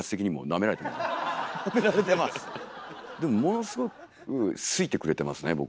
でもものすごく好いてくれてますね